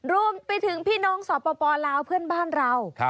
รวมไปถึงพี่น้องสปลาวเพื่อนบ้านเรา